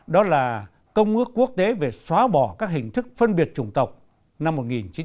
đó là công ước quốc tế về xóa bỏ các hình thức phân biệt chủng tộc năm một nghìn chín trăm bảy mươi năm